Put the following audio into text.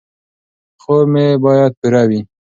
خوب مو باید پوره وي.